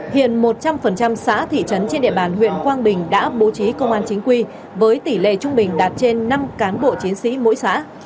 hiện một trăm linh xã thị trấn trên địa bàn huyện quang bình đã bố trí công an chính quy với tỷ lệ trung bình đạt trên năm cán bộ chiến sĩ mỗi xã